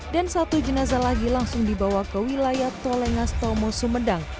dan satu jenazah lagi langsung dibawa ke wilayah tolengas tomo sumedang